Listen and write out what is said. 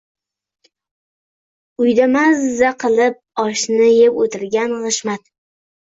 Uyda maaazzza qilib oshni yeb o‘tirgan G‘ishmat